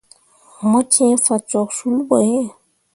Mo cẽe fah cok sul ɓo iŋ.